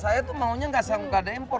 saya tuh maunya nggak ada impor